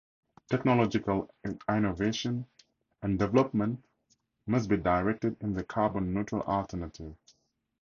Technological innovations and development must be directed in the carbon neutral alternatives.